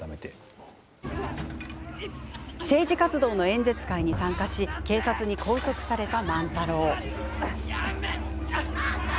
政治活動の演説会に参加し警察に拘束された万太郎。